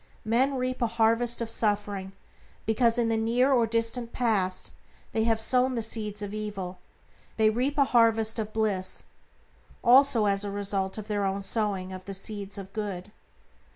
Men reap a harvest of suffering because in the near or distant past they have sown the seeds of evil; they reap a harvest of bliss also as a result of their own sowing of the seeds of good.